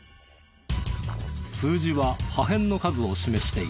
数字は破片の数を示している。